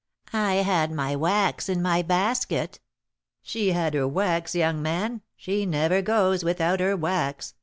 I had my wax in my basket " "She had her wax, young man! She never goes without her wax!"